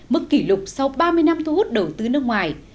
mức kỷ lục sau ba mươi năm thu hút đầu tư nước ngoài